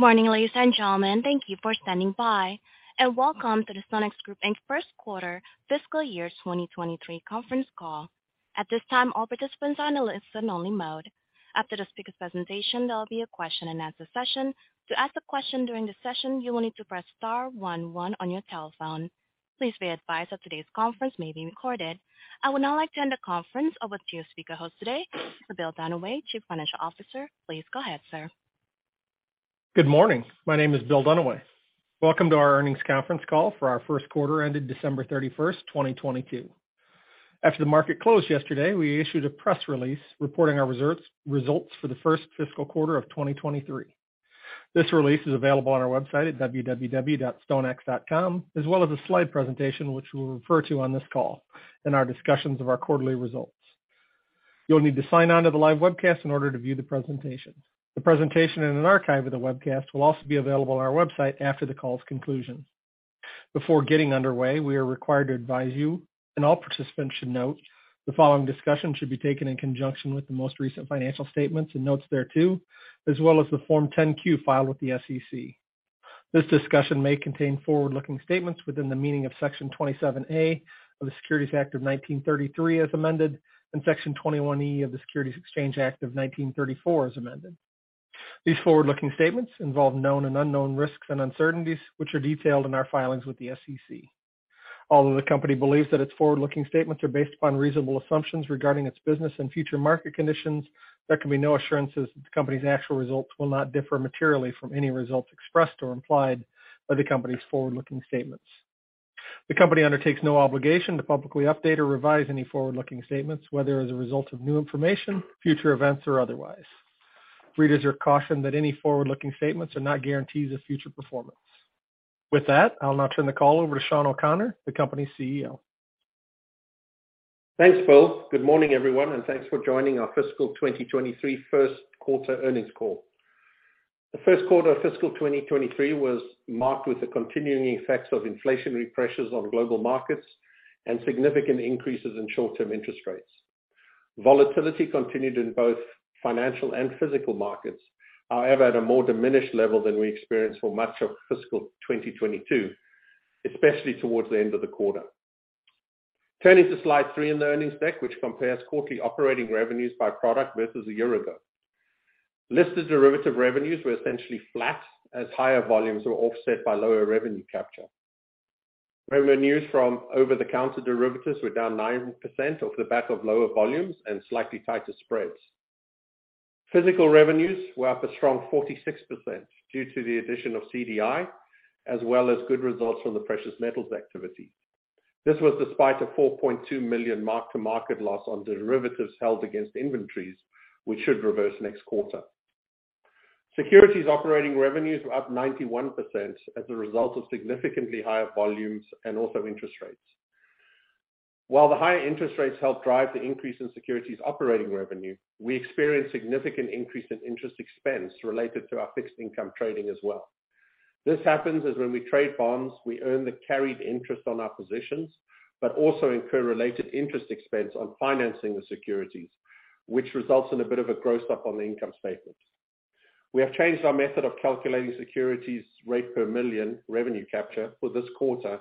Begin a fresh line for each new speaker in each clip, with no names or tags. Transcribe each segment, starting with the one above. Good morning, ladies and gentlemen. Thank you for standing by. Welcome to the StoneX Group Inc.'s first quarter fiscal year 2023 conference call. At this time, all participants are in a listen only mode. After the speaker presentation, there will be a Q&A session. To ask a question during the session, you will need to press star one one on your telephone. Please be advised that today's conference may be recorded. I would now like to hand the conference over to your speaker host today, Bill Dunaway, Chief Financial Officer. Please go ahead, sir.
Good morning. My name is Bill Dunaway. Welcome to our earnings conference call for our first quarter ended December 31st, 2022. After the market closed yesterday, we issued a press release reporting our results for the first fiscal quarter of 2023. This release is available on our website at www.stonex.com, as well as a slide presentation which we'll refer to on this call in our discussions of our quarterly results. You'll need to sign on to the live webcast in order to view the presentation. The presentation and an archive of the webcast will also be available on our website after the call's conclusion. Before getting underway, we are required to advise you, all participants should note, the following discussion should be taken in conjunction with the most recent financial statements and notes thereto, as well as the Form 10-Q filed with the SEC. This discussion may contain forward-looking statements within the meaning of Section 27A of the Securities Act of 1933 as amended, and Section 21E of the Securities Exchange Act of 1934 as amended. These forward-looking statements involve known and unknown risks and uncertainties, which are detailed in our filings with the SEC. Although the company believes that its forward-looking statements are based upon reasonable assumptions regarding its business and future market conditions, there can be no assurances that the company's actual results will not differ materially from any results expressed or implied by the company's forward-looking statements. The company undertakes no obligation to publicly update or revise any forward-looking statements, whether as a result of new information, future events, or otherwise. Readers are cautioned that any forward-looking statements are not guarantees of future performance. With that, I'll now turn the call over to Sean O'Connor, the company's CEO.
Thanks, Bill. Good morning, everyone. Thanks for joining our fiscal 2023 first quarter earnings call. The first quarter of fiscal 2023 was marked with the continuing effects of inflationary pressures on global markets and significant increases in short-term interest rates. Volatility continued in both financial and physical markets, however, at a more diminished level than we experienced for much of fiscal 2022, especially towards the end of the quarter. Turning to slide three in the earnings deck, which compares quarterly operating revenues by product versus a year ago. Listed derivative revenues were essentially flat as higher volumes were offset by lower revenue capture. Revenues from over-the-counter derivatives were down 9% off the back of lower volumes and slightly tighter spreads. Physical revenues were up a strong 46% due to the addition of CDI as well as good results from the precious metals activity. This was despite a $4.2 million mark-to-market loss on derivatives held against inventories, which should reverse next quarter. Securities operating revenues were up 91% as a result of significantly higher volumes and also interest rates. While the higher interest rates helped drive the increase in securities operating revenue, we experienced significant increase in interest expense related to our fixed income trading as well. This happens is when we trade bonds, we earn the carried interest on our positions, but also incur related interest expense on financing the securities, which results in a bit of a gross-up on the income statements. We have changed our method of calculating securities rate per million revenue capture for this quarter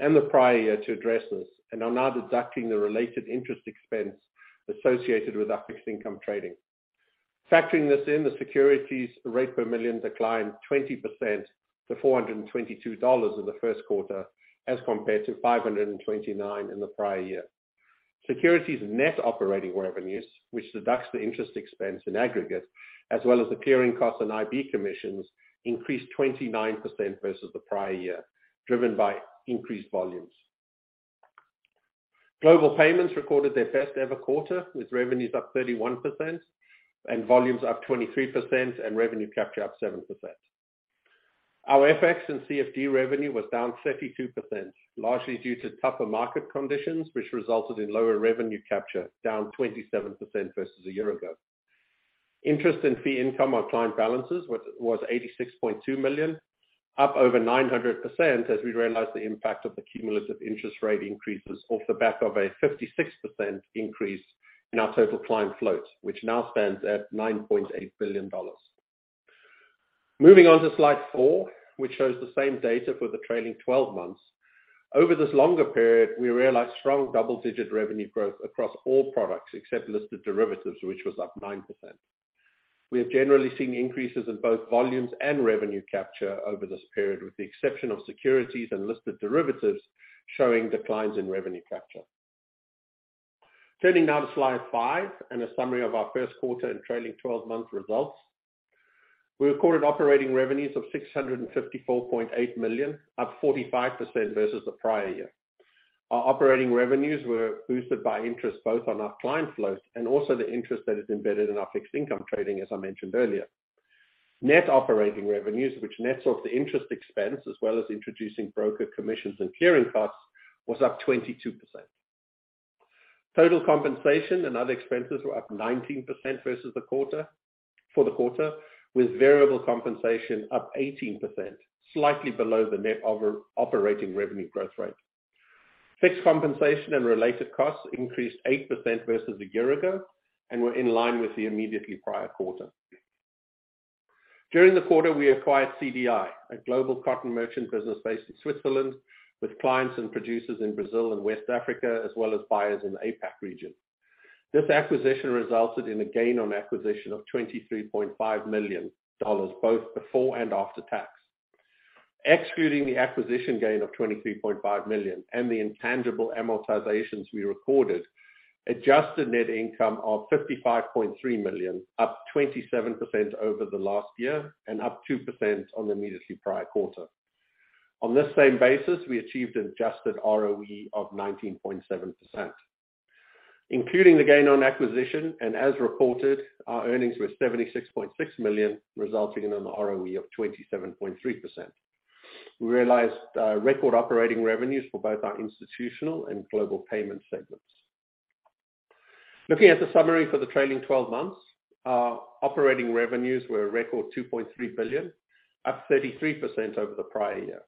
and the prior year to address this, and are now deducting the related interest expense associated with our fixed income trading. Factoring this in, the securities rate per million declined 20% to $422 in the first quarter as compared to $529 in the prior year. Securities net operating revenues, which deducts the interest expense in aggregate as well as the clearing costs and IB commissions, increased 29% versus the prior year, driven by increased volumes. Global Payments recorded their best ever quarter, with revenues up 31% and volumes up 23% and revenue capture up 7%. Our FX and CFD revenue was down 32%, largely due to tougher market conditions, which resulted in lower revenue capture down 27% versus a year ago. Interest and fee income on client balances was $86.2 million, up over 900% as we realized the impact of the cumulative interest rate increases off the back of a 56% increase in our total client float, which now stands at $9.8 billion. Moving on to slide four, which shows the same data for the trailing twelve months. Over this longer period, we realized strong double-digit revenue growth across all products except listed derivatives, which was up 9%. We have generally seen increases in both volumes and revenue capture over this period, with the exception of securities and listed derivatives showing declines in revenue capture. Turning now to slide five and a summary of our first quarter and trailing twelve month results. We recorded operating revenues of $654.8 million, up 45% versus the prior year. Our operating revenues were boosted by interest both on our client float and also the interest that is embedded in our fixed income trading, as I mentioned earlier. Net operating revenues, which nets off the interest expense as well as introducing broker commissions and clearing costs, was up 22%. Total compensation and other expenses were up 19% for the quarter, with variable compensation up 18%, slightly below the net operating revenue growth rate. Fixed compensation and related costs increased 8% versus a year ago, were in line with the immediately prior quarter. During the quarter, we acquired CDI, a global cotton merchant business based in Switzerland, with clients and producers in Brazil and West Africa, as well as buyers in the APAC region. This acquisition resulted in a gain on acquisition of $23.5 million, both before and after tax. Excluding the acquisition gain of $23.5 million, and the intangible amortizations we recorded, adjusted net income of $55.3 million, up 27% over the last year and up 2% on the immediately prior quarter. On this same basis, we achieved an adjusted ROE of 19.7%. Including the gain on acquisition and as reported, our earnings were $76.6 million, resulting in an ROE of 27.3%. We realized record operating revenues for both our institutional and Global Payments segments. Looking at the summary for the trailing twelve months, our operating revenues were a record $2.3 billion, up 33% over the prior year.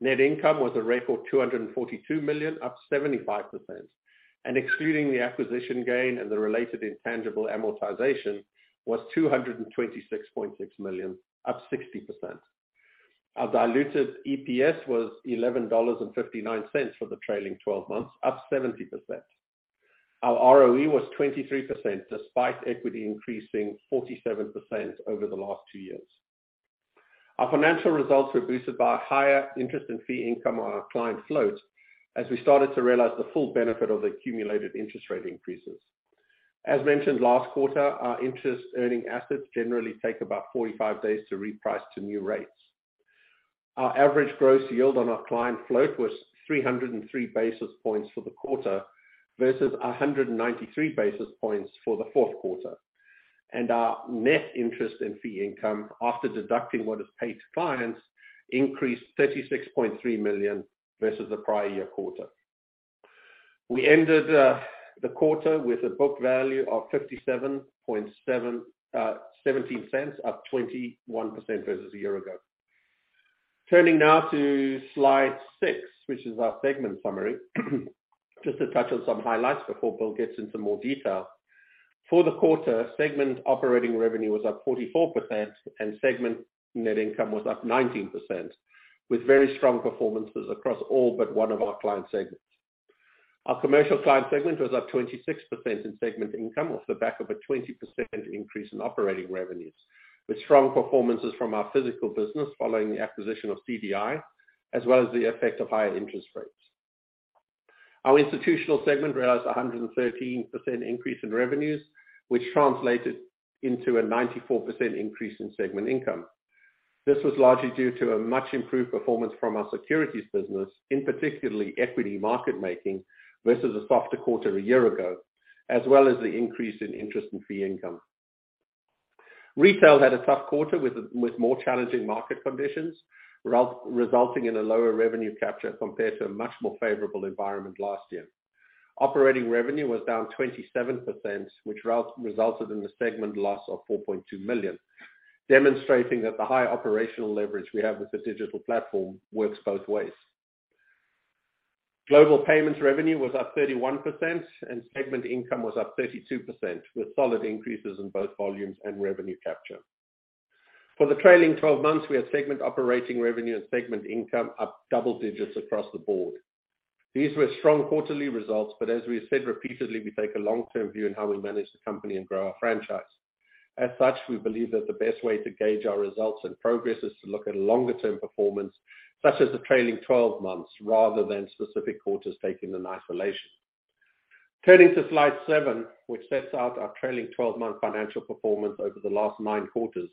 Net income was a record $242 million, up 75%. Excluding the acquisition gain and the related intangible amortization, was $226.6 million, up 60%. Our diluted EPS was $11.59 for the trailing twelve months, up 70%. Our ROE was 23%, despite equity increasing 47% over the last two years. Our financial results were boosted by higher interest and fee income on our client float, as we started to realize the full benefit of the accumulated interest rate increases. As mentioned last quarter, our interest earning assets generally take about 45 days to reprice to new rates. Our average gross yield on our client float was 303 basis points for the quarter, versus 193 basis points for the fourth quarter. Our net interest in fee income, after deducting what is paid to clients, increased $36.3 million versus the prior year quarter. We ended the quarter with a book value of $57.17, up 21% versus a year ago. Turning now to slide 6, which is our segment summary. Just to touch on some highlights before Bill gets into more detail. For the quarter, segment operating revenue was up 44% and segment net income was up 19%, with very strong performances across all but one of our client segments. Our commercial client segment was up 26% in segment income off the back of a 20% increase in operating revenues, with strong performances from our physical business following the acquisition of CDI, as well as the effect of higher interest rates. Our institutional segment realized 113% increase in revenues, which translated into a 94% increase in segment income. This was largely due to a much improved performance from our securities business, in particular equity market making, versus a softer quarter a year ago, as well as the increase in interest in fee income. Retail had a tough quarter with more challenging market conditions, resulting in a lower revenue capture compared to a much more favorable environment last year. Operating revenue was down 27%, which resulted in a segment loss of $4.2 million, demonstrating that the high operational leverage we have with the digital platform works both ways. Global Payments revenue was up 31% and segment income was up 32%, with solid increases in both volumes and revenue capture. For the trailing 12 months, we had segment operating revenue and segment income up double digits across the board. These were strong quarterly results, as we have said repeatedly, we take a long-term view in how we manage the company and grow our franchise. As such, we believe that the best way to gauge our results and progress is to look at longer term performance, such as the trailing 12 months, rather than specific quarters taken in isolation. Turning to slide seven, which sets out our trailing 12-month financial performance over the last nine quarters.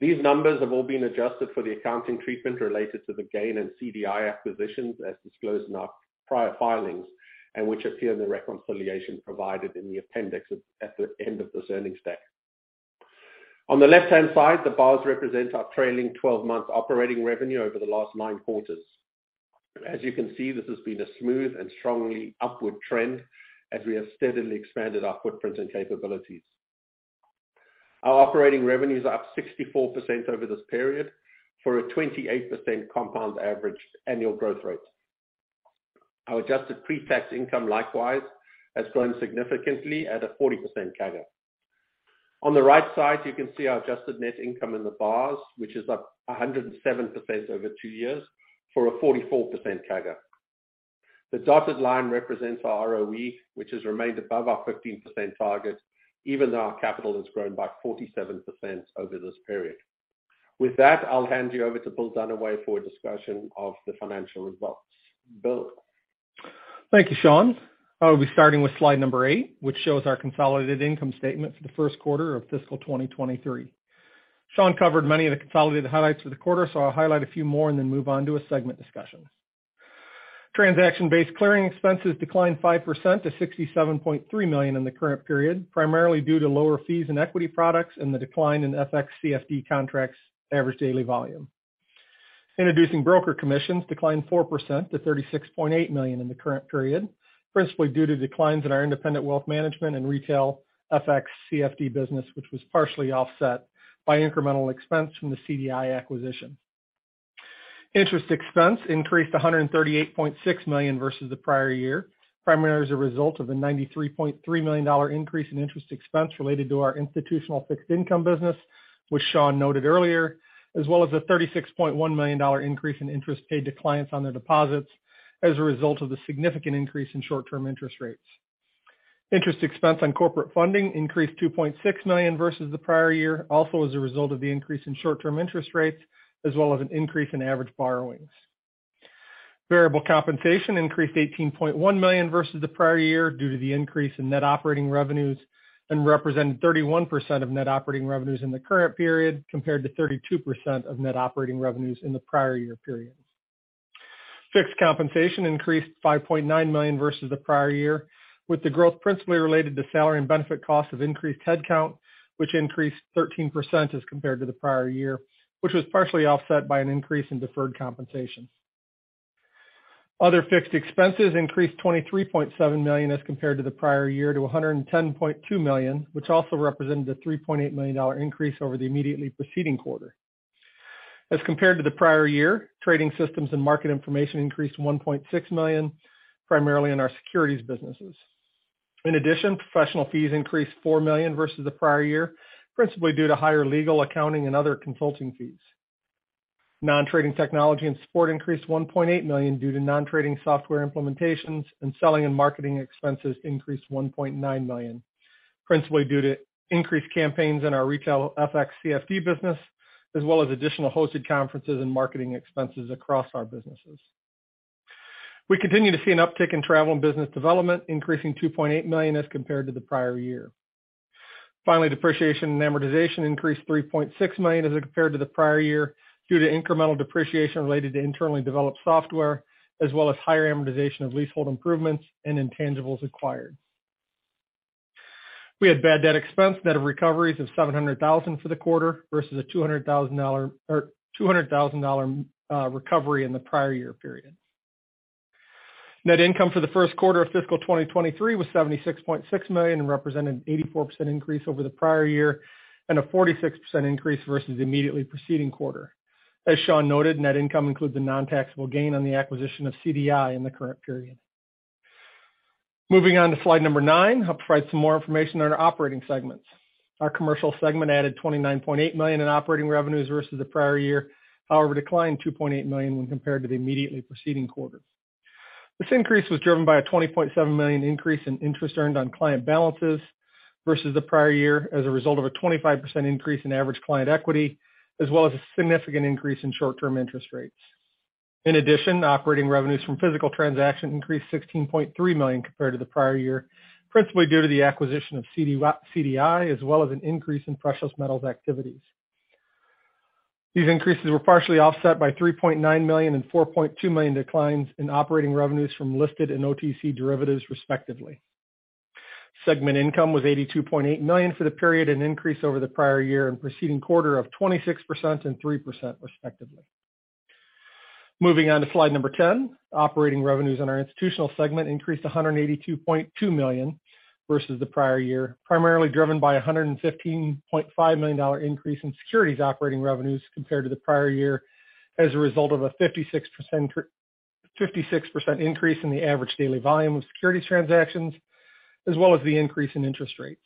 These numbers have all been adjusted for the accounting treatment related to the gain in CDI acquisitions, as disclosed in our prior filings, and which appear in the reconciliation provided in the appendix at the end of this earnings deck. On the left-hand side, the bars represent our trailing 12-month operating revenue over the last nine quarters. As you can see, this has been a smooth and strongly upward trend as we have steadily expanded our footprints and capabilities. Our operating revenues are up 64% over this period for a 28% compound average annual growth rate. Our adjusted pre-tax income, likewise, has grown significantly at a 40% CAGR. On the right side, you can see our adjusted net income in the bars, which is up 107% over two years for a 44% CAGR. The dotted line represents our ROE, which has remained above our 15% target, even though our capital has grown by 47% over this period. With that, I'll hand you over to Bill Dunaway for a discussion of the financial results. Bill?
Thank you, Sean. I'll be starting with slide number eight, which shows our consolidated income statement for the first quarter of fiscal 2023. Sean covered many of the consolidated highlights for the quarter, so I'll highlight a few more and then move on to a segment discussion. Transaction-based clearing expenses declined 5% to $67.3 million in the current period, primarily due to lower fees in equity products and the decline in FX CFD contracts average daily volume. Introducing broker commissions declined 4% to $36.8 million in the current period, principally due to declines in our independent wealth management and retail FX CFD business, which was partially offset by incremental expense from the CDI acquisition. Interest expense increased to $138.6 million versus the prior year, primarily as a result of the $93.3 million increase in interest expense related to our institutional fixed income business, which Sean noted earlier, as well as the $36.1 million increase in interest paid to clients on their deposits as a result of the significant increase in short-term interest rates. Interest expense on corporate funding increased $2.6 million versus the prior year, also as a result of the increase in short-term interest rates, as well as an increase in average borrowings. Variable compensation increased $18.1 million versus the prior year due to the increase in net operating revenues and represented 31% of net operating revenues in the current period, compared to 32% of net operating revenues in the prior year periods. Fixed compensation increased $5.9 million versus the prior year, with the growth principally related to salary and benefit costs of increased head count, which increased 13% as compared to the prior year, which was partially offset by an increase in deferred compensation. Other fixed expenses increased $23.7 million as compared to the prior year to $110.2 million, which also represented a $3.8 million increase over the immediately preceding quarter. As compared to the prior year, trading systems and market information increased $1.6 million, primarily in our securities businesses. Professional fees increased $4 million versus the prior year, principally due to higher legal, accounting, and other consulting fees. Non-trading technology and support increased $1.8 million due to non-trading software implementations, and selling and marketing expenses increased $1.9 million, principally due to increased campaigns in our retail FX CFD business, as well as additional hosted conferences and marketing expenses across our businesses. We continue to see an uptick in travel and business development, increasing $2.8 million as compared to the prior year. Depreciation and amortization increased $3.6 million as compared to the prior year due to incremental depreciation related to internally developed software, as well as higher amortization of leasehold improvements and intangibles acquired. We had bad debt expense, net of recoveries, of $700,000 for the quarter versus a $200,000 recovery in the prior year period. Net income for the first quarter of fiscal 2023 was $76.6 million and represented an 84% increase over the prior year and a 46% increase versus the immediately preceding quarter. As Sean noted, net income includes a non-taxable gain on the acquisition of CDI in the current period. Moving on to slide number 9, I'll provide some more information on our operating segments. Our commercial segment added $29.8 million in operating revenues versus the prior year, however declined $2.8 million when compared to the immediately preceding quarter. This increase was driven by a $20.7 million increase in interest earned on client balances versus the prior year as a result of a 25% increase in average client equity, as well as a significant increase in short-term interest rates. Operating revenues from physical transaction increased $16.3 million compared to the prior year, principally due to the acquisition of CDI, as well as an increase in precious metals activities. These increases were partially offset by $3.9 million and $4.2 million declines in operating revenues from listed and OTC derivatives, respectively. Segment income was $82.8 million for the period and increase over the prior year and proceeding quarter of 26% and 3%, respectively. Moving on to slide number 10. Operating revenues in our institutional segment increased $182.2 million versus the prior year, primarily driven by a $115.5 million increase in securities operating revenues compared to the prior year as a result of a 56% increase in the average daily volume of securities transactions, as well as the increase in interest rates.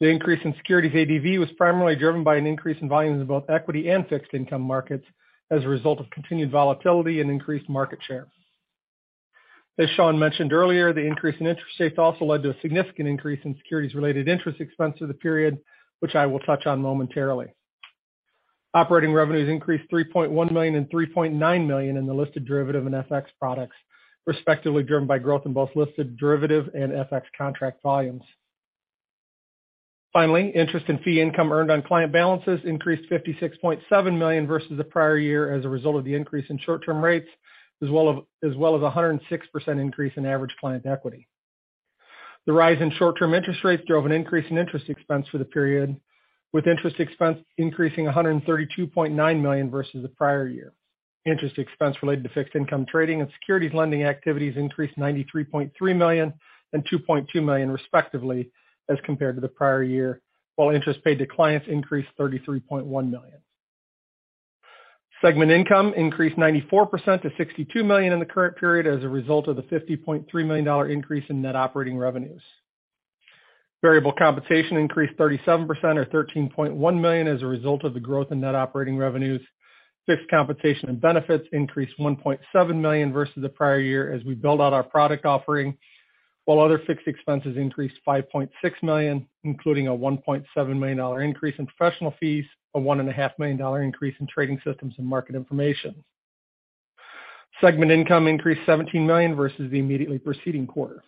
The increase in securities ADV was primarily driven by an increase in volumes in both equity and fixed income markets as a result of continued volatility and increased market share. As Sean mentioned earlier, the increase in interest rates also led to a significant increase in securities-related interest expense for the period, which I will touch on momentarily. Operating revenues increased $3.1 million and $3.9 million in the listed derivative and FX products, respectively, driven by growth in both listed derivative and FX contract volumes. Interest in fee income earned on client balances increased $56.7 million versus the prior year as a result of the increase in short-term rates, as well as a 106% increase in average client equity. The rise in short-term interest rates drove an increase in interest expense for the period, with interest expense increasing $132.9 million versus the prior year. Interest expense related to fixed income trading and securities lending activities increased $93.3 million and $2.2 million, respectively, as compared to the prior year, while interest paid to clients increased $33.1 million. Segment income increased 94% to $62 million in the current period as a result of the $50.3 million increase in net operating revenues. Variable compensation increased 37% or $13.1 million as a result of the growth in net operating revenues. Fixed compensation and benefits increased $1.7 million versus the prior year as we build out our product offering, while other fixed expenses increased $5.6 million, including a $1.7 million increase in professional fees, a one and a half million dollar increase in trading systems and market information. Segment income increased $17 million versus the immediately preceding quarter.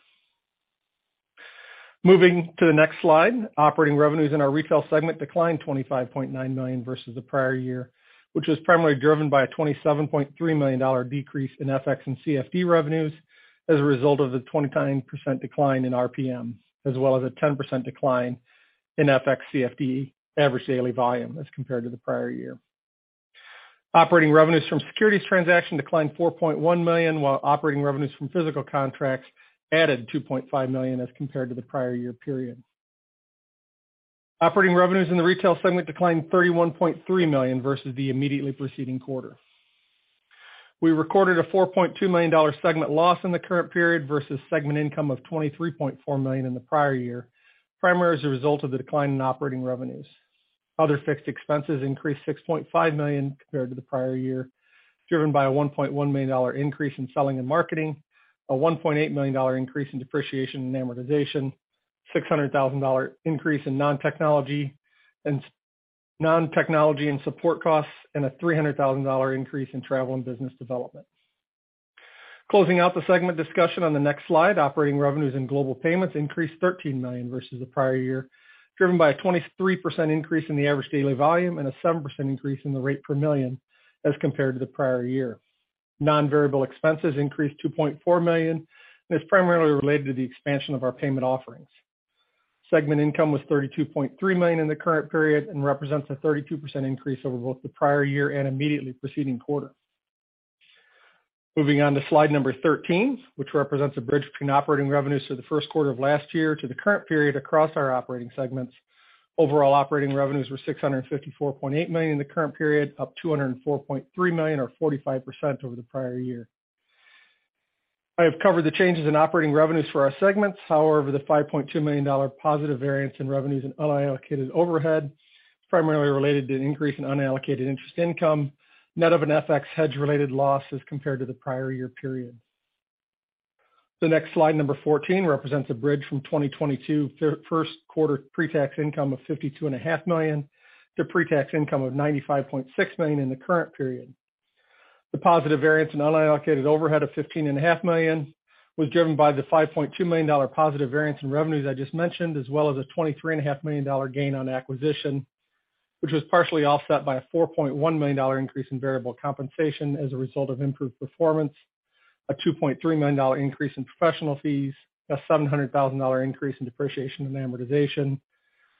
Moving to the next slide. Operating revenues in our retail segment declined $25.9 million versus the prior year, which was primarily driven by a $27.3 million decrease in FX and CFD revenues as a result of the 29% decline in RPM, as well as a 10% decline in FX CFD average daily volume as compared to the prior year. Operating revenues from securities transaction declined $4.1 million, while operating revenues from physical contracts added $2.5 million as compared to the prior year period. Operating revenues in the retail segment declined $31.3 million versus the immediately preceding quarter. We recorded a $4.2 million segment loss in the current period versus segment income of $23.4 million in the prior year, primarily as a result of the decline in operating revenues. Other fixed expenses increased $6.5 million compared to the prior year, driven by a $1.1 million increase in selling and marketing, a $1.8 million increase in depreciation and amortization, $600,000 increase in non-technology and support costs, and a $300,000 increase in travel and business development. Closing out the segment discussion on the next slide, operating revenues in Global Payments increased $13 million versus the prior year, driven by a 23% increase in the average daily volume and a 7% increase in the rate per million as compared to the prior year. Non-variable expenses increased $2.4 million, and it's primarily related to the expansion of our payment offerings. Segment income was $32.3 million in the current period and represents a 32% increase over both the prior year and immediately preceding quarter. Moving on to slide number 13, which represents a bridge between operating revenues for the first quarter of last year to the current period across our operating segments. Overall operating revenues were $654.8 million in the current period, up $204.3 million or 45% over the prior year. I have covered the changes in operating revenues for our segments, however, the $5.2 million positive variance in revenues and unallocated overhead, primarily related to an increase in unallocated interest income, net of an FX hedge-related loss as compared to the prior year period. The next slide, number 14, represents a bridge from 2022 first quarter pre-tax income of $52 and a half million to pre-tax income of $95.6 million in the current period. The positive variance in unallocated overhead of $15 and a half million was driven by the $5.2 million positive variance in revenues I just mentioned, as well as a $23 and a half million gain on acquisition, which was partially offset by a $4.1 million increase in variable compensation as a result of improved performance, a $2.3 million increase in professional fees, a $700 thousand increase in depreciation and amortization,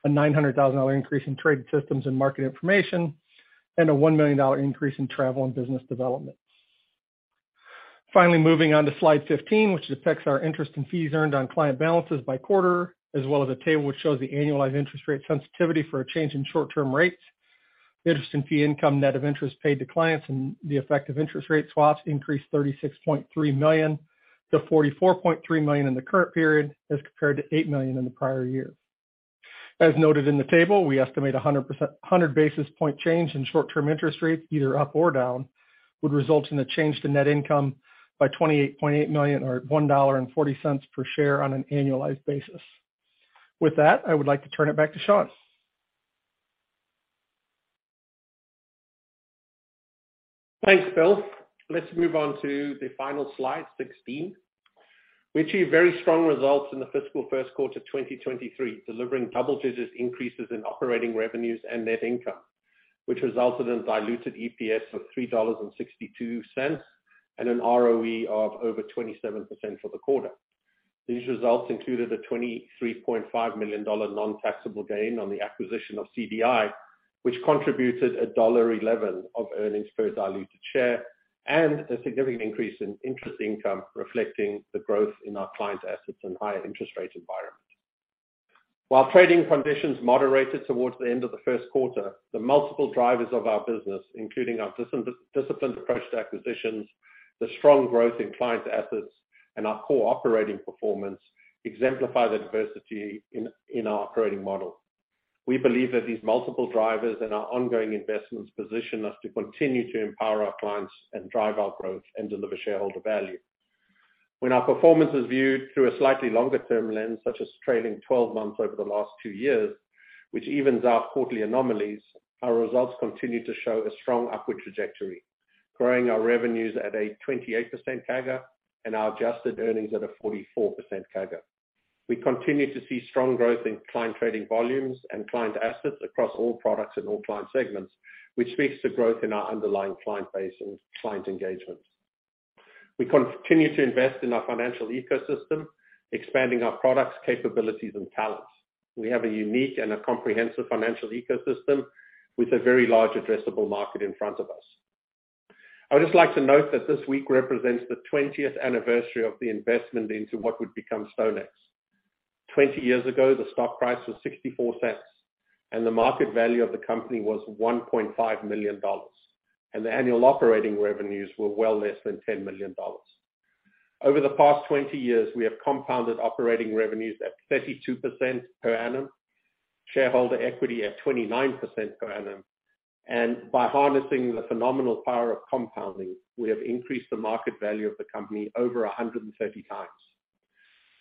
a $900 thousand increase in trade systems and market information, and a $1 million increase in travel and business development. Finally, moving on to slide 15, which depicts our interest in fees earned on client balances by quarter, as well as a table which shows the annualized interest rate sensitivity for a change in short-term rates. Interest and fee income net of interest paid to clients and the effect of interest rate swaps increased $36.3 million to $44.3 million in the current period as compared to $8 million in the prior year. As noted in the table, we estimate a 100 basis point change in short-term interest rates, either up or down, would result in a change to net income by $28.8 million or $1.40 per share on an annualized basis. With that, I would like to turn it back to Sean.
Thanks, Bill. Let's move on to the final slide, 16. We achieved very strong results in the fiscal first quarter of 2023, delivering double digits increases in operating revenues and net income, which resulted in diluted EPS of $3.62 and an ROE of over 27% for the quarter. These results included a $23.5 million non-taxable gain on the acquisition of CDI, which contributed $1.11 of earnings per diluted share and a significant increase in interest income reflecting the growth in our client assets and higher interest rate environment. While trading conditions moderated towards the end of the first quarter, the multiple drivers of our business, including our disciplined approach to acquisitions, the strong growth in client assets, and our core operating performance exemplify the diversity in our operating model. We believe that these multiple drivers and our ongoing investments position us to continue to empower our clients and drive our growth and deliver shareholder value. When our performance is viewed through a slightly longer-term lens, such as trailing twelve months over the last two years, which evens out quarterly anomalies, our results continue to show a strong upward trajectory, growing our revenues at a 28% CAGR and our adjusted earnings at a 44% CAGR. We continue to invest in our financial ecosystem, expanding our products, capabilities, and talents. We have a unique and a comprehensive financial ecosystem with a very large addressable market in front of us. I would just like to note that this week represents the 20th anniversary of the investment into what would become StoneX. 20 years ago, the stock price was $0.64, and the market value of the company was $1.5 million, and the annual operating revenues were well less than $10 million. Over the past 20 years, we have compounded operating revenues at 32% per annum, shareholder equity at 29% per annum, and by harnessing the phenomenal power of compounding, we have increased the market value of the company over 130 times.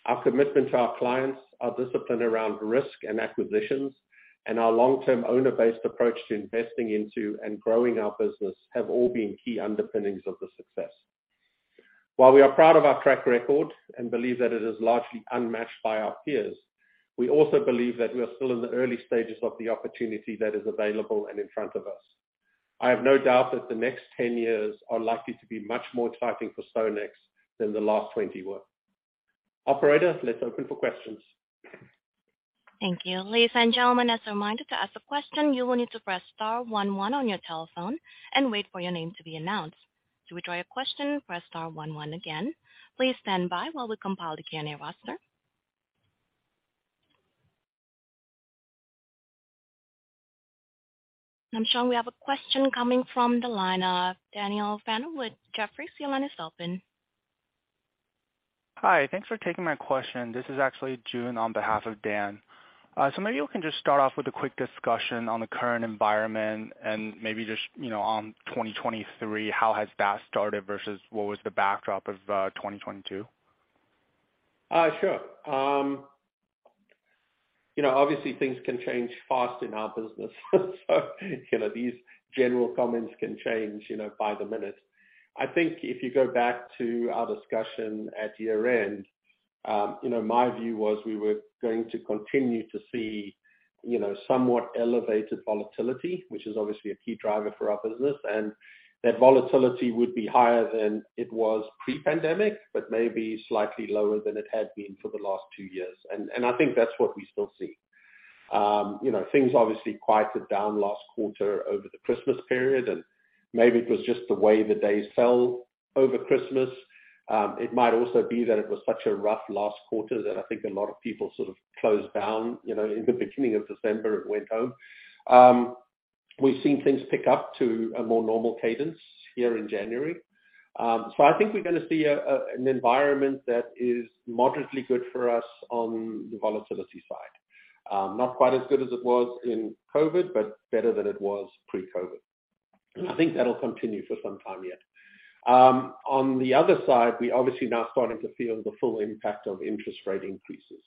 Our commitment to our clients, our discipline around risk and acquisitions, and our long-term owner-based approach to investing into and growing our business have all been key underpinnings of the success. While we are proud of our track record and believe that it is largely unmatched by our peers, we also believe that we are still in the early stages of the opportunity that is available and in front of us. I have no doubt that the next 10 years are likely to be much more exciting for StoneX than the last 20 were. Operator, let's open for questions.
Thank you. Ladies and gentlemen, as a reminder, to ask a question, you will need to press star one one on your telephone and wait for your name to be announced. To withdraw your question, press star one one again. Please stand by while we compile the Q&A roster. Namshong, we have a question coming from the line of Daniel Fannon with Jefferies. Your line is open.
Hi. Thanks for taking my question. This is actually June on behalf of Dan. Maybe you can just start off with a quick discussion on the current environment and maybe just, you know, on 2023, how has that started versus what was the backdrop of 2022?
Sure. you know, obviously things can change fast in our business. you know, these general comments can change, you know, by the minute. I think if you go back to our discussion at year-end, you know, my view was we were going to continue to see, you know, somewhat elevated volatility, which is obviously a key driver for our business. That volatility would be higher than it was pre-pandemic, but maybe slightly lower than it had been for the last two years. I think that's what we still see. you know, things obviously quieted down last quarter over the Christmas period, maybe it was just the way the day fell over Christmas. It might also be that it was such a rough last quarter that I think a lot of people sort of closed down, you know, in the beginning of December and went home. We've seen things pick up to a more normal cadence here in January. I think we're gonna see a, an environment that is moderately good for us on the volatility side. Not quite as good as it was in COVID, but better than it was pre-COVID. I think that'll continue for some time yet. On the other side, we obviously now starting to feel the full impact of interest rate increases.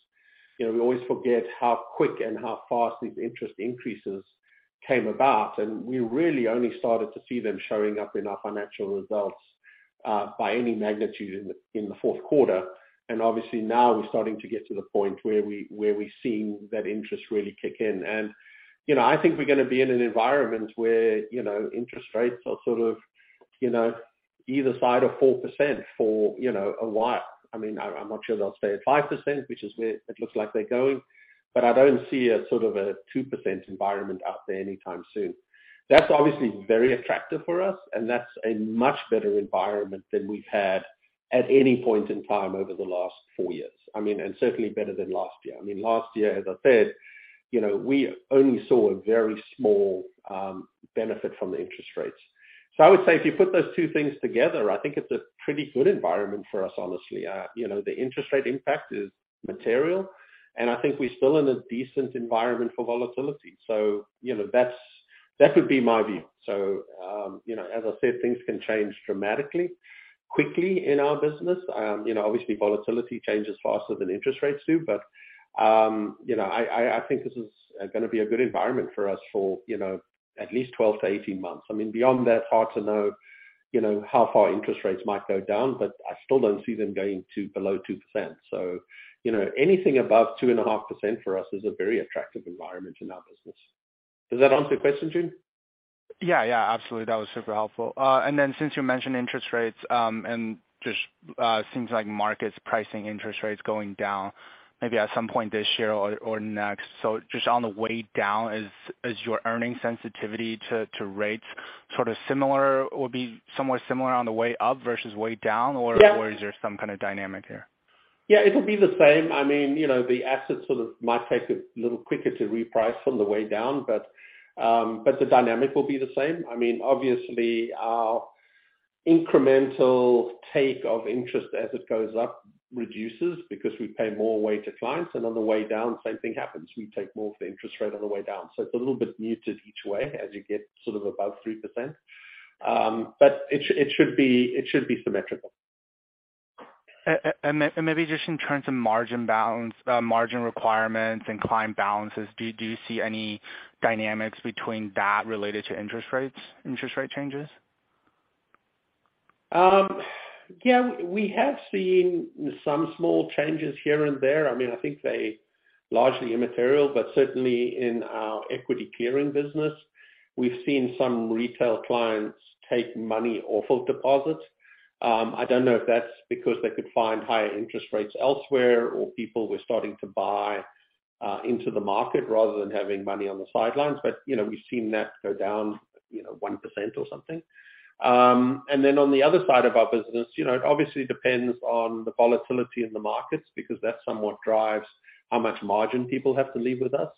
You know, we always forget how quick and how fast these interest increases came about, and we really only started to see them showing up in our financial results by any magnitude in the fourth quarter. Obviously, now we're starting to get to the point where we're seeing that interest really kick in. You know, I think we're gonna be in an environment where, you know, interest rates are sort of, you know, either side of 4% for, you know, a while. I mean, I'm not sure they'll stay at 5%, which is where it looks like they're going, but I don't see a sort of a 2% environment out there anytime soon. That's obviously very attractive for us, and that's a much better environment than we've had at any point in time over the last four years. I mean, certainly better than last year. I mean, last year, as I said, you know, we only saw a very small benefit from the interest rates. I would say if you put those two things together, I think it's a pretty good environment for us, honestly. You know, the interest rate impact is material, and I think we're still in a decent environment for volatility. That would be my view. As I said, things can change dramatically, quickly in our business. You know, obviously volatility changes faster than interest rates do. I think this is gonna be a good environment for us for, you know, at least 12 to 18 months. I mean, beyond that, hard to know, you know, how far interest rates might go down. I still don't see them going to below 2%. You know, anything above 2.5% for us is a very attractive environment in our business. Does that answer your question, June?
Yeah. Yeah. Absolutely. That was super helpful. Since you mentioned interest rates, just seems like markets pricing interest rates going down maybe at some point this year or next, just on the way down, is your earning sensitivity to rates sort of similar? Or be somewhat similar on the way up versus way down?
Yeah.
Is there some kind of dynamic here?
Yeah, it'll be the same. I mean, you know, the assets sort of might take a little quicker to reprice on the way down, but the dynamic will be the same. I mean, obviously, our incremental take of interest as it goes up reduces because we pay more away to clients, and on the way down, same thing happens. We take more of the interest rate on the way down. It's a little bit muted each way as you get sort of above 3%. It should be, it should be symmetrical.
Maybe just in terms of margin balance, margin requirements and client balances, do you see any dynamics between that related to interest rates, interest rate changes?
Yeah, we have seen some small changes here and there. I mean, I think they're largely immaterial, but certainly in our equity clearing business, we've seen some retail clients take money off of deposits. I don't know if that's because they could find higher interest rates elsewhere or people were starting to buy into the market rather than having money on the sidelines. You know, we've seen that go down, you know, 1% or something. On the other side of our business, you know, it obviously depends on the volatility in the markets because that's somewhat drives how much margin people have to leave with us.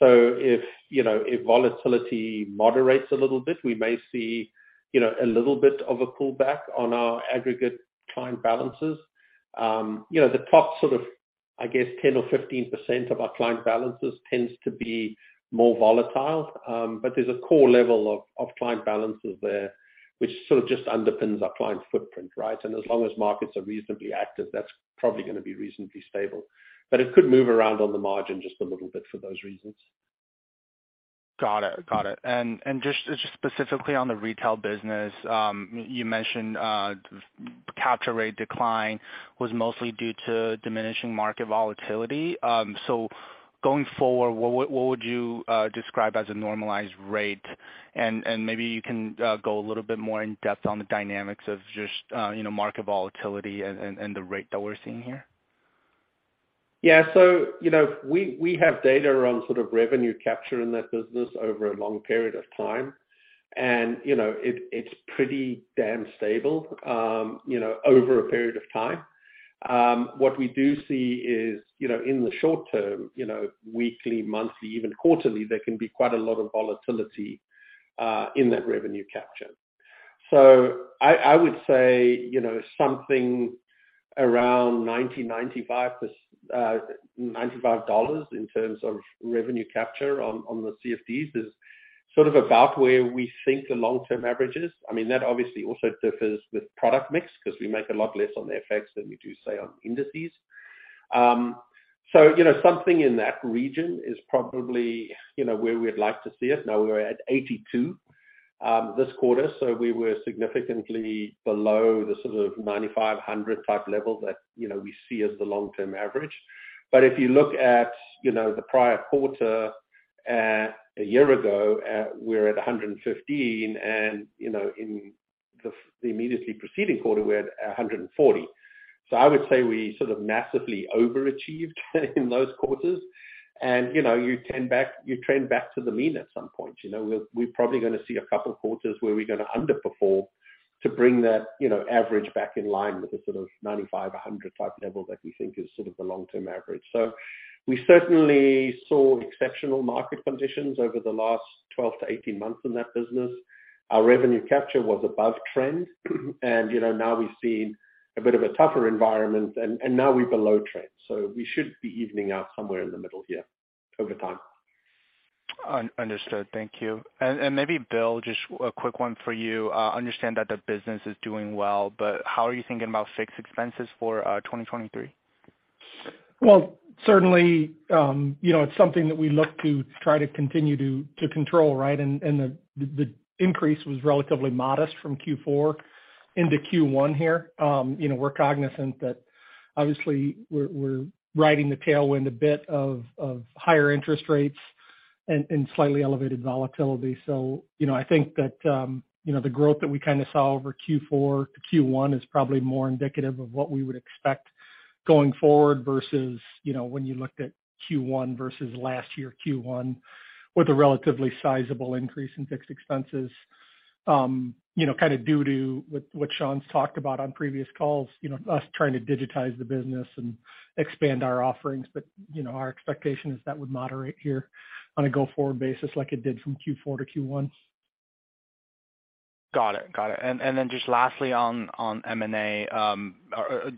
If, you know, if volatility moderates a little bit, we may see, you know, a little bit of a pullback on our aggregate client balances. You know, the top sort of, I guess 10% or 15% of our client balances tends to be more volatile. There's a core level of client balances there, which sort of just underpins our client footprint, right? As long as markets are reasonably active, that's probably gonna be reasonably stable. It could move around on the margin just a little bit for those reasons.
Got it. Got it. Just specifically on the retail business, you mentioned capture rate decline was mostly due to diminishing market volatility. Going forward, what would you describe as a normalized rate? Maybe you can go a little bit more in-depth on the dynamics of just, you know, market volatility and the rate that we're seeing here.
Yeah. you know, we have data around sort of revenue capture in that business over a long period of time. you know, it's pretty damn stable, you know, over a period of time. What we do see is, you know, in the short term, you know, weekly, monthly, even quarterly, there can be quite a lot of volatility in that revenue capture. I would say, you know, something around $95 in terms of revenue capture on the CFDs is sort of about where we think the long-term average is. I mean, that obviously also differs with product mix because we make a lot less on FX than we do, say, on indices. you know, something in that region is probably, you know, where we'd like to see it. We were at 82 this quarter, we were significantly below the sort of 95, 100 type level that, you know, we see as the long-term average. If you look at, you know, the prior quarter a year ago, we're at 115 and, you know, in the immediately preceding quarter, we're at 140. I would say we sort of massively overachieved in those quarters. You know, you trend back, you trend back to the mean at some point. You know, we're probably gonna see a couple of quarters where we're gonna underperform to bring that, you know, average back in line with the sort of 95, 100 type level that we think is sort of the long-term average. We certainly saw exceptional market conditions over the last 12 to 18 months in that business. Our revenue capture was above trend. you know, now we've seen a bit of a tougher environment, and now we're below trend. We should be evening out somewhere in the middle here over time.
Un-understood. Thank you. Maybe Bill, just a quick one for you. Understand that the business is doing well, but how are you thinking about fixed expenses for 2023?
Well, certainly, you know, it's something that we look to try to continue to control, right? The increase was relatively modest from Q4 into Q1 here. You know, we're cognizant that obviously we're riding the tailwind a bit of higher interest rates and slightly elevated volatility. I think that, you know, the growth that we kind of saw over Q4 to Q1 is probably more indicative of what we would expect going forward versus, you know, when you looked at Q1 versus last year Q1 with a relatively sizable increase in fixed expenses. You know, kind of due to what Sean's talked about on previous calls, you know, us trying to digitize the business and expand our offerings. you know, our expectation is that would moderate here on a go-forward basis like it did from Q4 to Q1.
Got it. Got it. Then just lastly on M&A,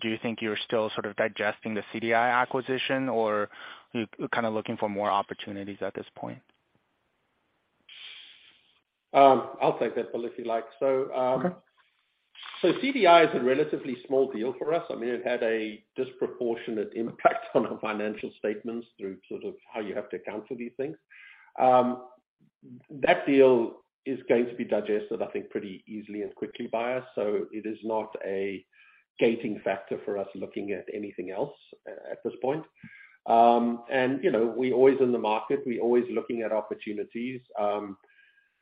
do you think you're still sort of digesting the CDI acquisition or kind of looking for more opportunities at this point?
I'll take that, Bill, if you like.
Okay.
CDI is a relatively small deal for us. I mean, it had a disproportionate impact on our financial statements through sort of how you have to account for these things. That deal is going to be digested, I think, pretty easily and quickly by us. It is not a gating factor for us looking at anything else at this point. And you know, we're always in the market, we're always looking at opportunities.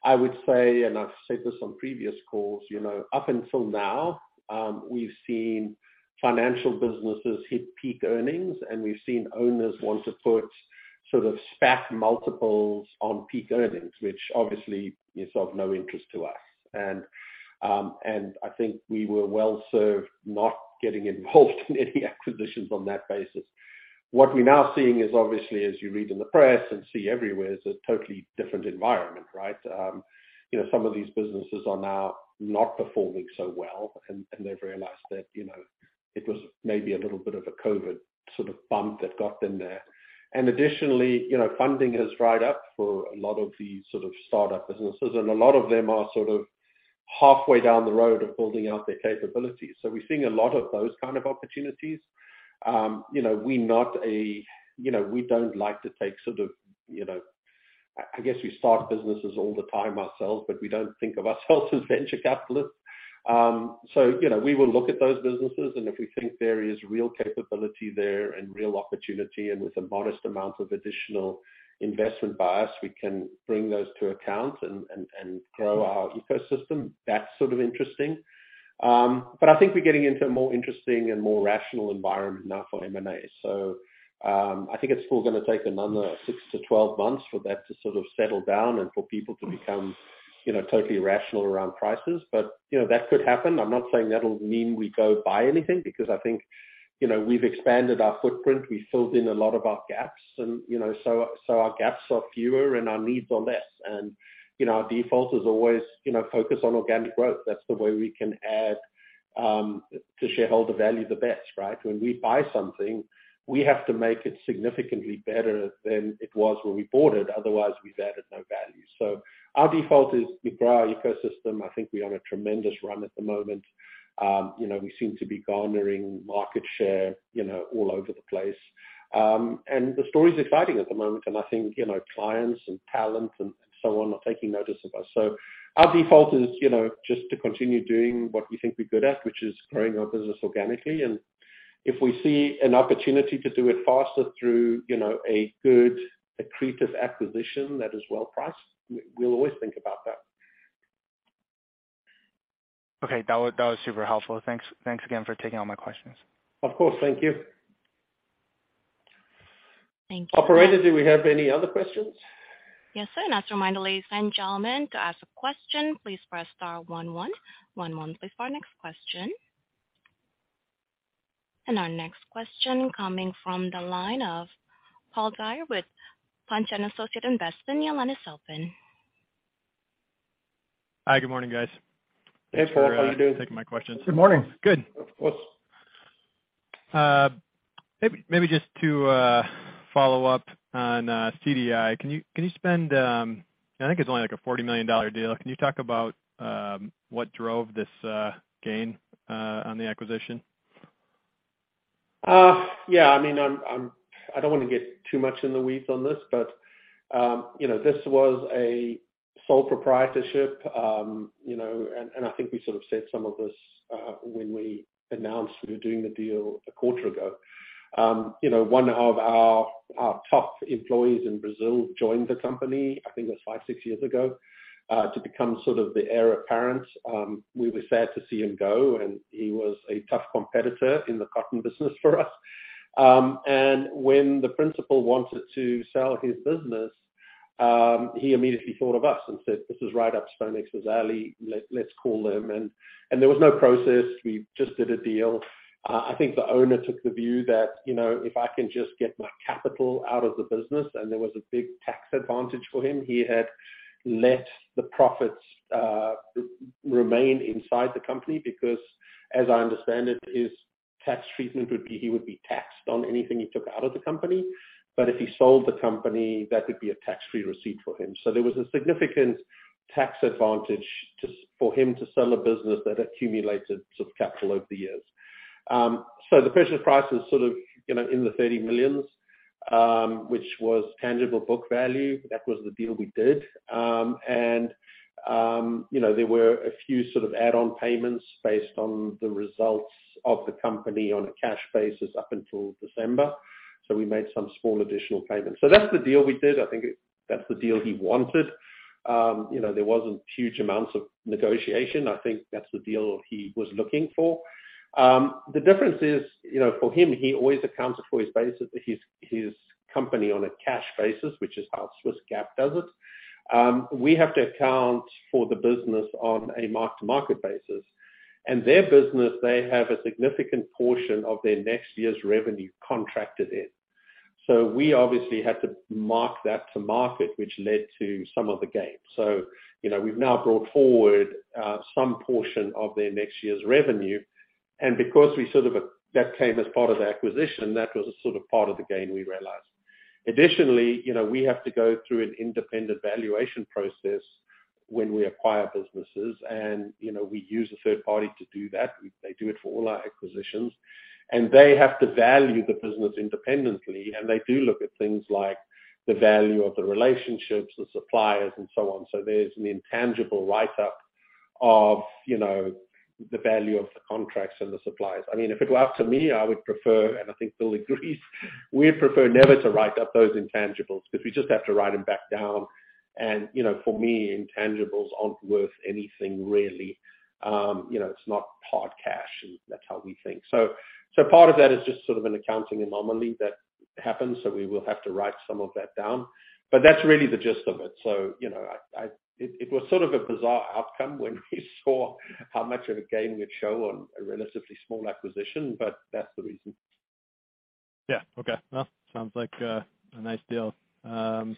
I would say, and I've said this on previous calls, you know, up until now, we've seen financial businesses hit peak earnings, and we've seen owners want to put sort of SPAC multiples on peak earnings, which obviously is of no interest to us. And I think we were well-served not getting involved in any acquisitions on that basis. What we're now seeing is obviously, as you read in the press and see everywhere, is a totally different environment, right? You know, some of these businesses are now not performing so well and they've realized that, you know, it was maybe a little bit of a COVID sort of bump that got them there. Additionally, you know, funding has dried up for a lot of these sort of startup businesses, and a lot of them are sort of halfway down the road of building out their capabilities. We're seeing a lot of those kind of opportunities. You know, we don't like to take sort of, you know... I guess we start businesses all the time ourselves, but we don't think of ourselves as venture capitalists. You know, we will look at those businesses, and if we think there is real capability there and real opportunity, and with a modest amount of additional investment by us, we can bring those to account and grow our ecosystem, that's sort of interesting. I think we're getting into a more interesting and more rational environment now for M&A. I think it's still gonna take another 6-12 months for that to sort of settle down and for people to become, you know, totally rational around prices. You know, that could happen. I'm not saying that'll mean we go buy anything because I think, you know, we've expanded our footprint, we filled in a lot of our gaps and, you know, so our gaps are fewer and our needs are less. You know, our default is always, you know, focus on organic growth. That's the way we can add to shareholder value the best, right? When we buy something, we have to make it significantly better than it was when we bought it, otherwise we've added no value. Our default is we grow our ecosystem. I think we are on a tremendous run at the moment. You know, we seem to be garnering market share, you know, all over the place. The story's exciting at the moment, and I think, you know, clients and talent and so on are taking notice of us. Our default is, you know, just to continue doing what we think we're good at, which is growing our business organically. If we see an opportunity to do it faster through, you know, a good accretive acquisition that is well priced, we'll always think about that.
Okay. That was super helpful. Thanks again for taking all my questions.
Of course. Thank you.
Thank you.
Operator, do we have any other questions?
Yes, sir. As a reminder, ladies and gentlemen, to ask a question, please press star one one. one one please for our next question. Our next question coming from the line of Paul Guay with Pzena Investment Management, Your line is open.
Hi. Good morning, guys.
Hey, Paul. How are you doing?
Thanks for taking my questions.
Good morning.
Good.
Of course.
Maybe just to follow up on CDI. Can you spend... I think it's only like a $40 million deal. Can you talk about what drove this gain on the acquisition?
Yeah. I mean, I'm I don't wanna get too much in the weeds on this, but, you know, this was a sole proprietorship. You know, I think we sort of said some of this, when we announced we were doing the deal a quarter ago. You know, one of our top employees in Brazil joined the company, I think it was five, six years ago, to become sort of the heir apparent. We were sad to see him go, and he was a tough competitor in the cotton business for us. When the principal wanted to sell his business, he immediately thought of us and said, "This is right up StoneX's alley. Let, let's call them." There was no process. We just did a deal. I think the owner took the view that, you know, if I can just get my capital out of the business and there was a big tax advantage for him, he had let the profits remain inside the company because as I understand it, his tax treatment would be, he would be taxed on anything he took out of the company. If he sold the company, that would be a tax-free receipt for him. There was a significant tax advantage for him to sell a business that accumulated sort of capital over the years. The purchase price is sort of, you know, in the $30 million, which was tangible book value. That was the deal we did. You know, there were a few sort of add-on payments based on the results of the company on a cash basis up until December. We made some small additional payments. That's the deal we did. I think that's the deal he wanted. You know, there wasn't huge amounts of negotiation. I think that's the deal he was looking for. The difference is, you know, for him, he always accounted for his basis, his company on a cash basis, which is how Swiss GAAP does it. We have to account for the business on a mark-to-market basis. Their business, they have a significant portion of their next year's revenue contracted in. We obviously had to mark that to market, which led to some of the gain. You know, we've now brought forward some portion of their next year's revenue. Because we sort of that came as part of the acquisition, that was a sort of part of the gain we realized. Additionally, you know, we have to go through an independent valuation process when we acquire businesses and, you know, we use a third party to do that. They do it for all our acquisitions, and they have to value the business independently, and they do look at things like the value of the relationships, the suppliers, and so on. There's an intangible write-up of, you know, the value of the contracts and the suppliers. I mean, if it were up to me, I would prefer, and I think Bill agrees, we prefer never to write up those intangibles because we just have to write them back down. You know, for me, intangibles aren't worth anything really. You know, it's not hard cash. That's how we think. Part of that is just sort of an accounting anomaly that happens. We will have to write some of that down. That's really the gist of it. You know, It was sort of a bizarre outcome when we saw how much of a gain we'd show on a relatively small acquisition. That's the reason.
Yeah. Okay. Well, sounds like a nice deal. On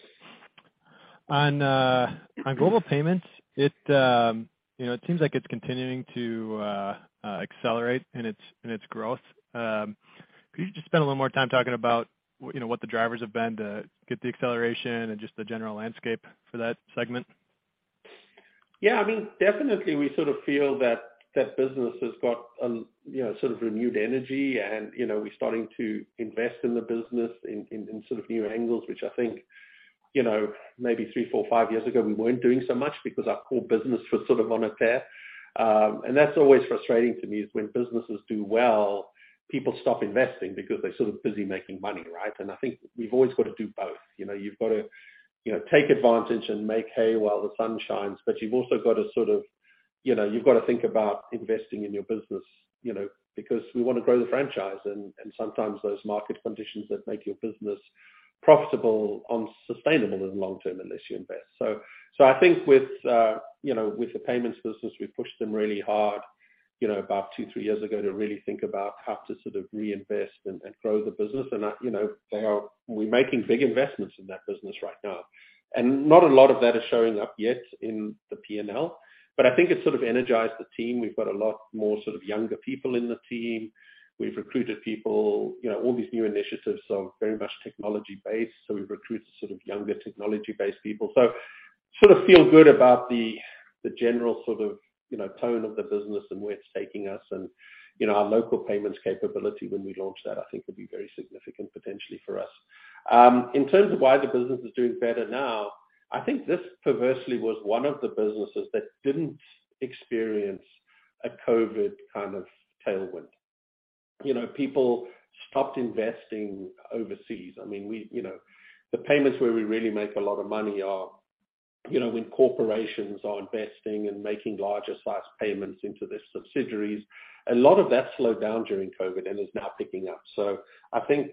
Global Payments, it, you know, it seems like it's continuing to accelerate in its, in its growth. Could you just spend a little more time talking about you know, what the drivers have been to get the acceleration and just the general landscape for that segment?
Yeah. I mean, definitely, we sort of feel that that business has got an, you know, sort of renewed energy and, you know, we're starting to invest in the business in sort of new angles, which I think, you know, maybe three, four, five years ago we weren't doing so much because our core business was sort of on a tear. That's always frustrating to me, is when businesses do well, people stop investing because they're sort of busy making money, right? I think we've always got to do both. You know, you've got to, you know, take advantage and make hay while the sun shines, but you've also got to sort of, you know, you've got to think about investing in your business, you know, because we wanna grow the franchise and sometimes those market conditions that make your business profitable aren't sustainable in the long term unless you invest. So I think with, you know, with the payments business, we pushed them really hard, you know, about two, three years ago, to really think about how to sort of reinvest and grow the business. You know, we're making big investments in that business right now. Not a lot of that is showing up yet in the P&L, but I think it sort of energized the team. We've got a lot more sort of younger people in the team. We've recruited people, you know, all these new initiatives are very much technology-based, so we've recruited sort of younger technology-based people. Sort of feel good about the general sort of, you know, tone of the business and where it's taking us and, you know, our local payments capability when we launch that I think will be very significant potentially for us. In terms of why the business is doing better now, I think this perversely was one of the businesses that didn't experience a COVID kind of tailwind. You know, people stopped investing overseas. The payments where we really make a lot of money are, you know, when corporations are investing and making larger sized payments into their subsidiaries. A lot of that slowed down during COVID and is now picking up. I think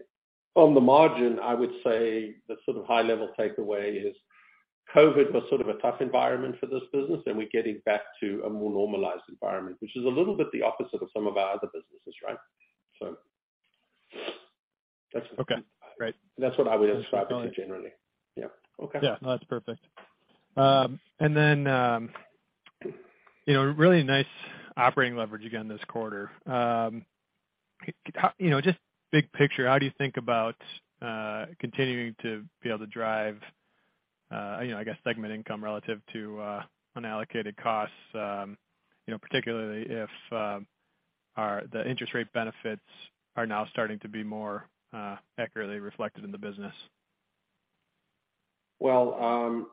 from the margin, I would say the sort of high level takeaway is COVID was sort of a tough environment for this business and we're getting back to a more normalized environment. Which is a little bit the opposite of some of our other businesses, right? That's.
Okay. Great.
That's what I would describe it generally. Yeah. Okay.
Yeah. No, that's perfect. Then, you know, really nice operating leverage again this quarter. You know, just big picture, how do you think about continuing to be able to drive, you know, I guess segment income relative to unallocated costs? You know, particularly if the interest rate benefits are now starting to be more accurately reflected in the business.
Well,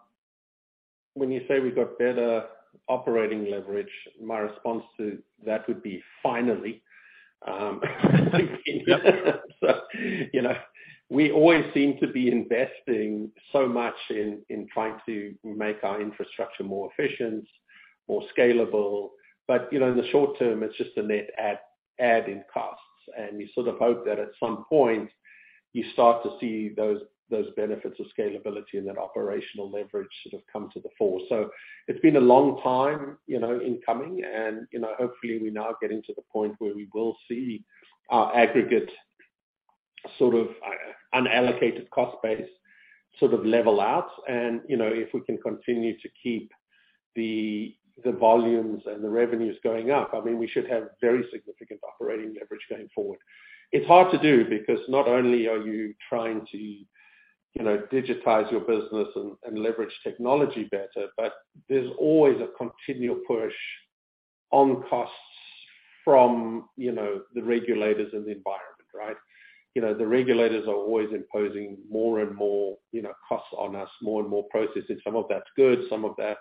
when you say we've got better operating leverage, my response to that would be finally. You know, we always seem to be investing so much in trying to make our infrastructure more efficient, more scalable. You know, in the short term it's just a net add in costs. You sort of hope that at some point you start to see those benefits of scalability and that operational leverage sort of come to the fore. It's been a long time, you know, in coming and, you know, hopefully we're now getting to the point where we will see our aggregate sort of unallocated cost base sort of level out. You know, if we can continue to keep the volumes and the revenues going up, I mean, we should have very significant operating leverage going forward. It's hard to do because not only are you trying to, you know, digitize your business and leverage technology better, but there's always a continual push on costs from, you know, the regulators and the environment, right? You know, the regulators are always imposing more and more, you know, costs on us, more and more processes. Some of that's good, some of that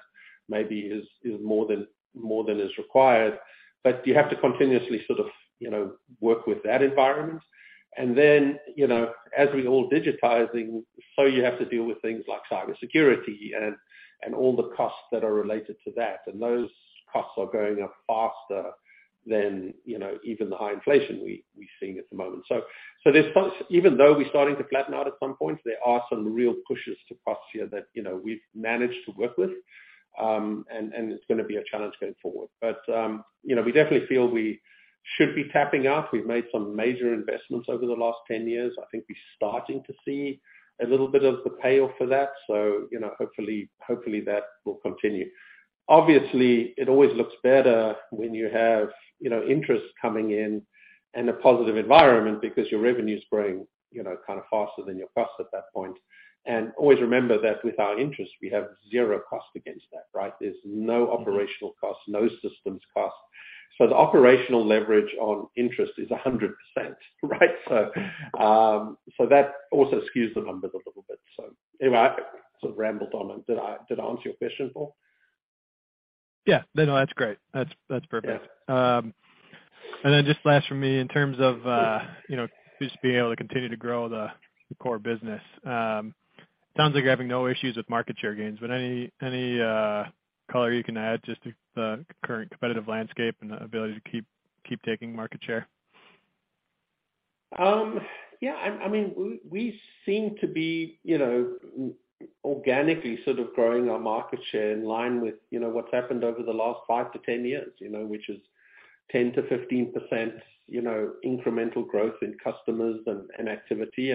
maybe is more than, more than is required. You have to continuously sort of, you know, work with that environment. Then, you know, as we're all digitizing, so you have to deal with things like cybersecurity and all the costs that are related to that. Those costs are going up faster than, you know, even the high inflation we've seen at the moment. There's some... Even though we're starting to flatten out at some point, there are some real pushes to cost here that, you know, we've managed to work with. It's gonna be a challenge going forward. You know, we definitely feel we should be tapping off. We've made some major investments over the last 10 years. I think we're starting to see a little bit of the payoff for that. You know, hopefully that will continue. Obviously, it always looks better when you have, you know, interest coming in and a positive environment because your revenue's growing, you know, kind of faster than your costs at that point. Always remember that with our interest, we have zero cost against that, right? There's no operational cost, no systems cost. The operational leverage on interest is 100%, right? That also skews the numbers a little bit. anyway, I sort of rambled on. Did I answer your question, Paul?
Yeah. No. That's great. That's perfect.
Yeah.
Then just last from me in terms of, you know, just being able to continue to grow the core business. Sounds like you're having no issues with market share gains, but any color you can add just to the current competitive landscape and the ability to keep taking market share?
Yeah. I mean we seem to be, you know, organically sort of growing our market share in line with, you know, what's happened over the last 5-10 years. You know, which is 10%-15%, you know, incremental growth in customers and activity.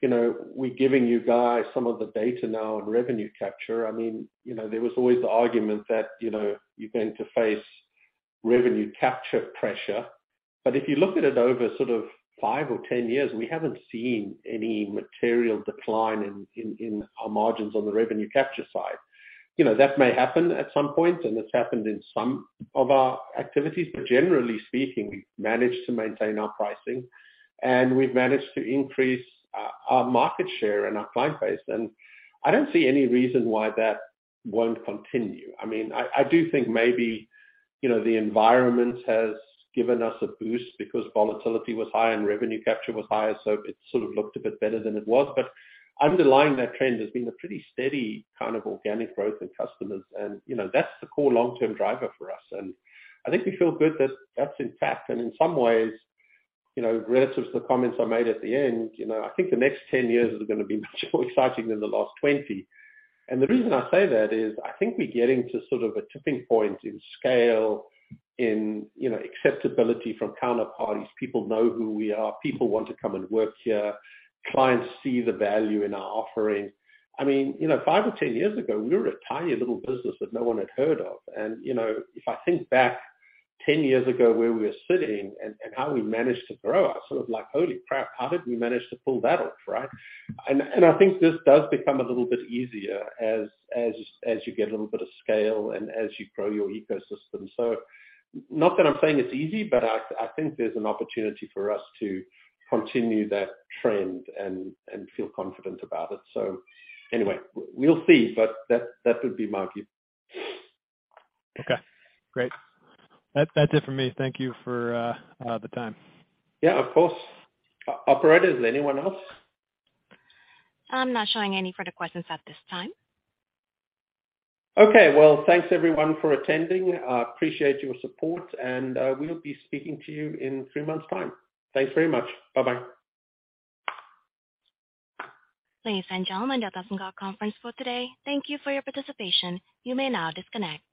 You know, we're giving you guys some of the data now on revenue capture. I mean, you know, there was always the argument that, you know, you're going to face revenue capture pressure. If you look at it over sort of five or 10 years, we haven't seen any material decline in our margins on the revenue capture side. You know, that may happen at some point, and it's happened in some of our activities. Generally speaking, we've managed to maintain our pricing and we've managed to increase our market share and our client base. I don't see any reason why that won't continue. I mean, I do think maybe, you know, the environment has given us a boost because volatility was high and revenue capture was higher, so it sort of looked a bit better than it was. Underlying that trend, there's been a pretty steady kind of organic growth in customers. You know, that's the core long-term driver for us. I think we feel good that that's intact. In some ways, you know, relative to the comments I made at the end, you know, I think the next 10 years is gonna be much more exciting than the last 20. The reason I say that is I think we're getting to sort of a tipping point in scale, in, you know, acceptability from counterparties. People know who we are. People want to come and work here. Clients see the value in our offering. I mean, you know, five or 10 years ago we were a tiny little business that no one had heard of. You know, if I think back 10 years ago where we were sitting and how we managed to grow, I'm sort of like, holy crap, how did we manage to pull that off, right? I think this does become a little bit easier as you get a little bit of scale and as you grow your ecosystem. Not that I'm saying it's easy, but I think there's an opportunity for us to continue that trend and feel confident about it. Anyway, we'll see. That would be my view.
Okay. Great. That's it for me. Thank you for the time.
Yeah, of course. Operator, is there anyone else?
I'm not showing any further questions at this time.
Okay. Well, thanks everyone for attending. I appreciate your support and we'll be speaking to you in three months' time. Thanks very much. Bye-bye.
Ladies and gentlemen, that does end our conference for today. Thank you for your participation. You may now disconnect.